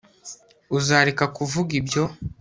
uzareka kuvuga ibyo